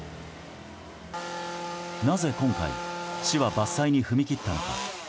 なぜ今回市は伐採に踏み切ったのか。